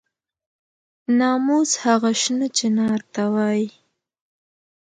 ناموس هغه شنه چنار ته وایي.